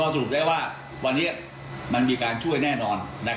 สรุปได้ว่าวันนี้มันมีการช่วยแน่นอน